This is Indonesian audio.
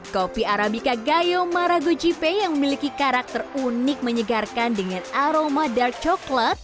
kopi arabica gayo maragochipei yang memiliki karakter unik menyegarkan dengan aroma dark coklat